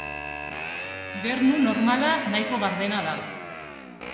Gernu normala nahiko gardena da.